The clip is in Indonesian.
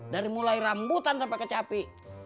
dari mulai rambutan sampai kecapi